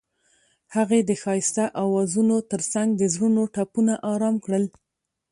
هغې د ښایسته اوازونو ترڅنګ د زړونو ټپونه آرام کړل.